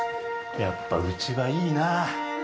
やっぱうちはいいな。